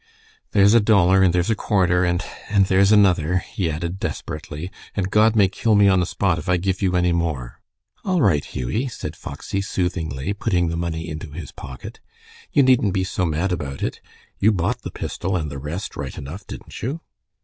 "There's a dollar, and there's a quarter, and and there's another," he added, desperately, "and God may kill me on the spot if I give you any more!" "All right, Hughie," said Foxy, soothingly, putting the money into his pocket. "You needn't be so mad about it. You bought the pistol and the rest right enough, didn't you?"